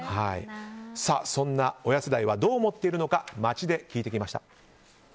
そんな親世代はどう思っているのか街で聞いてきました。